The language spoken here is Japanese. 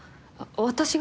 私が？